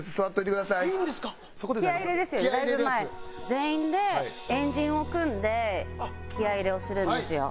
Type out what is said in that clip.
全員で円陣を組んで気合入れをするんですよ